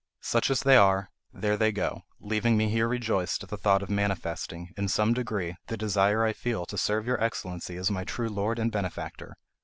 Such as they are, there they go, leaving me here rejoiced at the thought of manifesting, in some degree, the desire I feel to serve your Excellency as my true lord and benefactor.